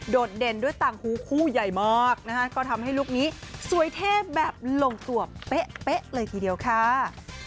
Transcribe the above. ดเด่นด้วยต่างหูคู่ใหญ่มากนะคะก็ทำให้ลูกนี้สวยเทพแบบลงตัวเป๊ะเลยทีเดียวค่ะ